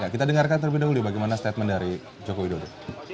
kita dengarkan terlebih dahulu bagaimana statement dari jokowi dulu